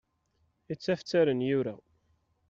Ittafttaren yura.